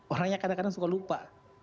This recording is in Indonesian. orangnya kadang kadang suka lupa